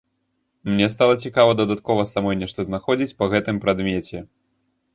Мне стала цікава дадаткова самой нешта знаходзіць па гэтым прадмеце.